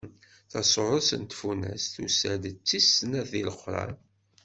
Tasuret n Tfunast tusa-d d tis snat deg Leqran.